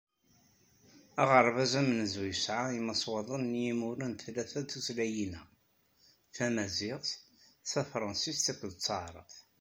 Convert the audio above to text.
Aɣerbaz amenzu yesɛa imaswaḍen d yimura n tlata n tutlayin-a: Tamaziɣt, Tafransist akked Taεrabt.